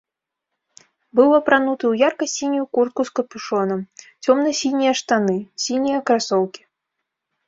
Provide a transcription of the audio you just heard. Быў апрануты ў ярка-сінюю куртку з капюшонам, цёмна-сінія штаны, сінія красоўкі.